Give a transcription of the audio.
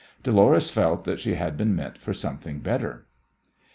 Dolores felt that she had been meant for something better.